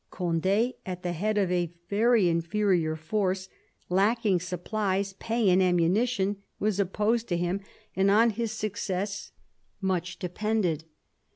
Cond^, at the head of a very inferior force, lacking supplies, pay, and ammunition, was opposed to him, and on his success £ 52 MAZABIN ohap.